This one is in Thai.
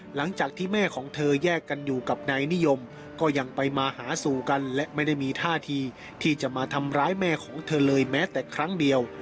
หลังจากที่แม่ของเธอแยกกันอยู่กับนายนิยมก็ยังไปมาหาสู่กันและไม่ได้มีท่าทีที่จะมาทำร้ายแม่ของเธอเลยแม้แต่ครั้งเดียว